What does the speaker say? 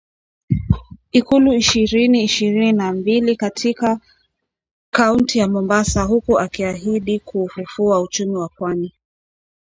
ikulu ishirini ishirini na mbili katika kaunti ya Mombasa huku akiahidi kuufufua uchumi wa Pwani